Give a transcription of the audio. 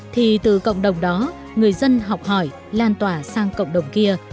thì từ cộng đồng đó người dân học hỏi lan tỏa sang cộng đồng kia